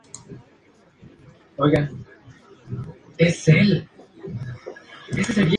Se visita pagando una tarifa de entrada.